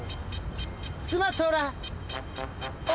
スマトラ。